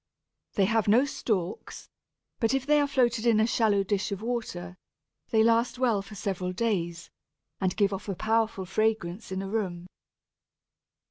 They have no stalks, but if they are floated in a shallow dish of water, they last well for several days, and give off a powerful fragrance in a room.